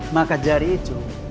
maka dari itu